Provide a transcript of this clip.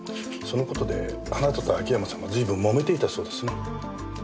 その事であなたと秋山さんは随分もめていたそうですね。